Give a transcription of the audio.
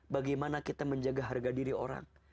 bagaimana kita menjaga harga diri orang